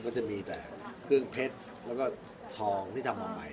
ก็จะมีแต่เครื่องเพชรแล้วก็ทองที่ทำออกไป